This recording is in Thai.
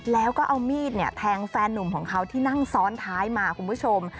แล้วก็เอามีดแทงแฟนนุ่มของเขาที่นั่งซ้อนท้ายมาคุณผู้ชม